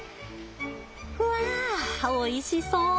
わあおいしそう。